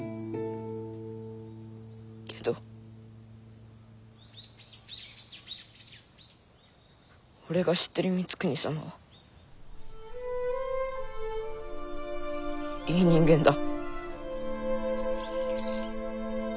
けど俺が知ってる光圀様はいい人間だ。